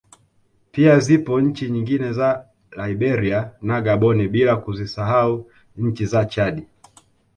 Pia zipo nchi nyingine za Liberia na Gaboni bila kuzisahau ncni za Chadi